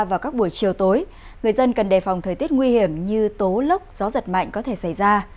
vào các buổi chiều tối người dân cần đề phòng thời tiết nguy hiểm như tố lốc gió giật mạnh có thể xảy ra